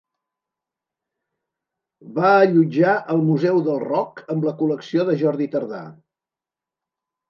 Va allotjar el Museu del Rock amb la col·lecció de Jordi Tardà.